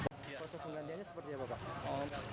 penggantiannya seperti apa pak